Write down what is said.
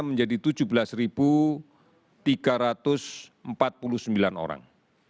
menjadi tujuh belas tiga ratus empat puluh sembilan orang